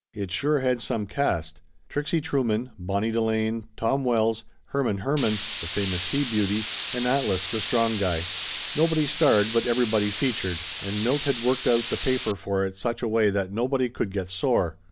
It sure had some cast. Trixie Trueman, Bonnie Delane, Tom Wells, Herman Herman, the famous he beauty, and Atlas, the strong guy. Nobody starred, but everybody featured, and Milt had worked out the paper for it such a way that nobody could get sore.